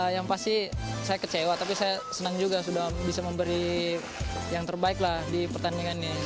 yang pasti saya kecewa tapi saya senang juga sudah bisa memberi yang terbaik lah di pertandingan ini